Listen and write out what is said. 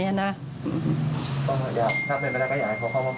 ถ้าเป็นอะไรก็อยากให้เขาบอกตัว